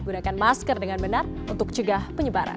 gunakan masker dengan benar untuk cegah penyebaran